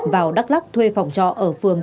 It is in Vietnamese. vào đắk lắc thuê phòng trọ ở phường